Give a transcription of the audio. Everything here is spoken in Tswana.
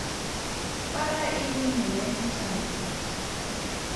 Para e le nngwe ya ditlhako.